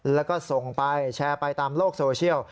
แล้วก็ส่งไปแชร์ไปตามโลกโซเชียล